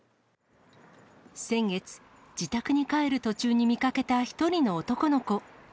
先月、自宅に帰る途中に見かけた１人の男の子。